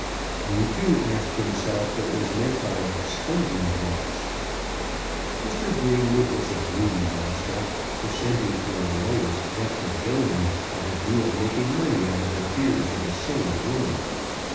He, too, asked himself what was meant by "stumbling blocks." Mr. Greenwood was a greedy rascal, descending to the lowest depth of villany with the view of making money out of the fears of a silly woman.